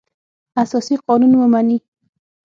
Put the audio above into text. اساسي قانون ومني.